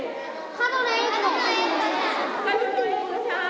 角野栄子さん